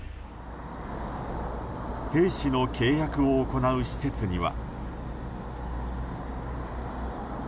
兵士の契約を行う施設には。